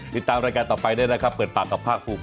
ติดตามรายการต่อไปด้วยนะครับเปิดปากกับภาคภูมิ